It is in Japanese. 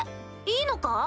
いいのか？